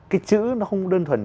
cái chữ nó không đơn thuần